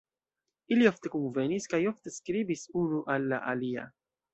Ili ofte kunvenis kaj ofte skribis unu al la alia.